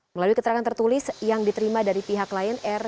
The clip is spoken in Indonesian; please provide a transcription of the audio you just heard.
melalui keterangan tertulis yang diterima dari pihak lion air